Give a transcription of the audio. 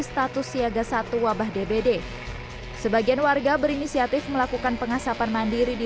status siaga satu wabah dbd sebagian warga berinisiatif melakukan pengasapan mandiri di